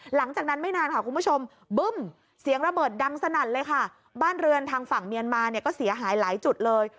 หลังจากนั้นไม่นานค่ะคุณผู้ชมบึ้มเสียงระเบิดดังสนั่นเลยค่ะบ้านเรือนทางฝั่งเมียนมาเนี่ยก็เสียหายหลายจุดเลย